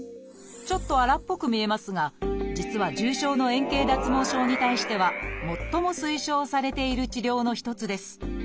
ちょっと荒っぽく見えますが実は重症の円形脱毛症に対しては最も推奨されている治療の一つです。